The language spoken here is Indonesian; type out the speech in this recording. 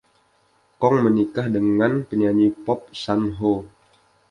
Kong menikah dengan penyanyi pop Sun Ho.